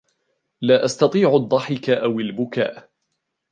لا أستطيع الضحك أو البكاء.